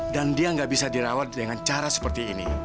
dan dia nggak bisa dirawat dengan cara seperti ini